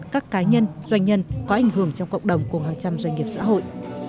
các cá nhân doanh nhân có ảnh hưởng trong cộng đồng của hàng trăm doanh nghiệp xã hội